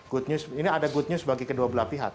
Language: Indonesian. good news ini ada good news bagi kedua belah pihak